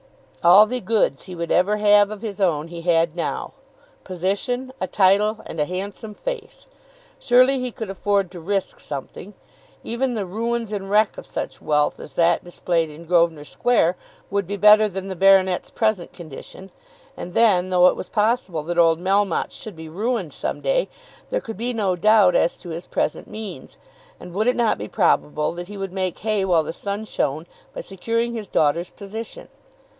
All the goods he would ever have of his own, he had now; position, a title, and a handsome face. Surely he could afford to risk something! Even the ruins and wreck of such wealth as that displayed in Grosvenor Square would be better than the baronet's present condition. And then, though it was possible that old Melmotte should be ruined some day, there could be no doubt as to his present means; and would it not be probable that he would make hay while the sun shone by securing his daughter's position?